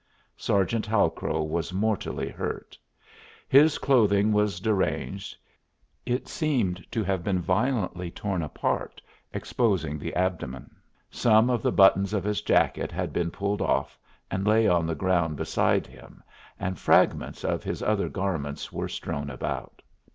Sergeant Halcrow was mortally hurt. His clothing was deranged; it seemed to have been violently torn apart, exposing the abdomen. Some of the buttons of his jacket had been pulled off and lay on the ground beside him and fragments of his other garments were strewn about.